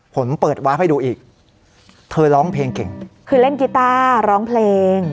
เปิดวาร์ฟให้ดูอีกเธอร้องเพลงเก่งคือเล่นกีต้าร้องเพลง